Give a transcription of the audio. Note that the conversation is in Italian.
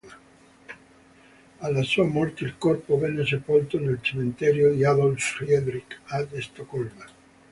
Alla sua morte il corpo venne sepolto nel cimitero di Adolf Fredrik a Stoccolma.